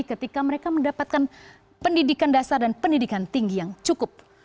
ketika mereka mendapatkan pendidikan dasar dan pendidikan tinggi yang cukup